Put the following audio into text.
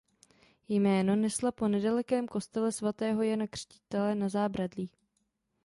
Jméno nesla po nedalekém kostele svatého Jana Křtitele Na zábradlí.